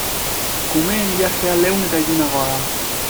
Kumeen ilajea leun eta ilunagoa da.